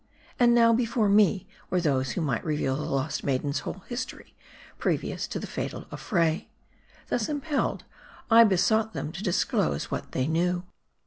And now, before me were those who might reveal the lost maiden's whole history, previous to the fatal affray. Thus impelled, I besought them to disclose what they knew.